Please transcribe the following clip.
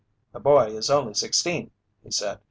"The boy is only sixteen," he said.